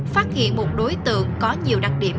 phát hiện một đối tượng có nhiều đặc điểm